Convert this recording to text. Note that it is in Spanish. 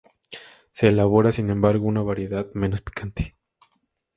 Se elabora, sin embargo, una variedad menos picante.